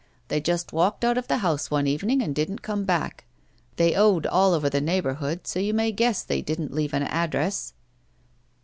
" They just walked out of the house one evening and didn't come back. They owed all over the neighourhood, so you may guess they didn't leave any address."